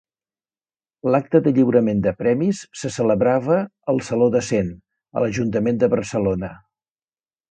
L'acte de lliurament de premis se celebrava al Saló de Cent, a l'Ajuntament de Barcelona.